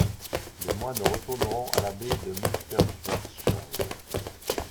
Les moines retourneront à l'abbaye de Münsterschwarzach.